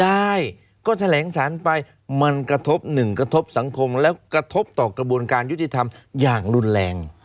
ได้ก็แถลงสารไปมันกระทบหนึ่งกระทบสังคมแล้วกระทบต่อกระบวนการยุติธรรมอย่างรุนแรง